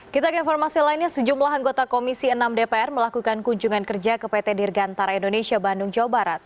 kita ke informasi lainnya sejumlah anggota komisi enam dpr melakukan kunjungan kerja ke pt dirgantara indonesia bandung jawa barat